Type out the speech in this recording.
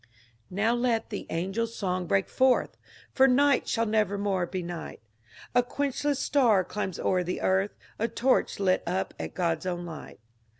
Now let the angel eong break forth! For night shall neyermore be night: A qaenohless star climbs o'er the earth, A torch lit np at God's own light.